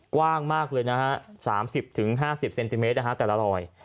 กว้างมากเลยนะฮะ๓๐๕๐เซนติเมตรแต่ละรอย